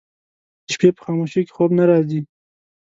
د شپې په خاموشۍ کې خوب نه راځي